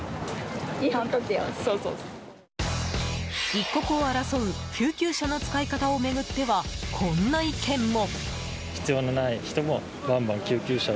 一刻を争う救急車の使い方を巡ってはこんな意見も。